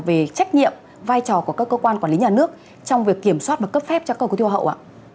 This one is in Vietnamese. về trách nhiệm vai trò của các cơ quan quản lý nhà nước trong việc kiểm soát và cấp phép cho cơ hội của thiêu hậu ạ